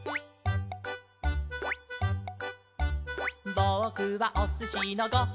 「ぼくはおすしのご・は・ん」